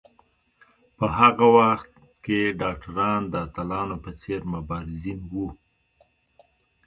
په هغه وخت کې ډاکټران د اتلانو په څېر مبارزین وو.